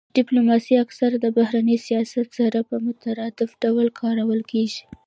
ډیپلوماسي اکثرا د بهرني سیاست سره په مترادف ډول کارول کیږي